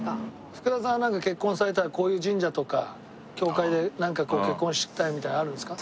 福田さんは結婚されたらこういう神社とか教会でなんかこう結婚したいみたいなのあるんですか？